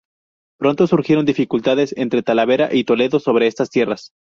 Pronto surgieron dificultades entre Talavera y Toledo sobre estas tierras.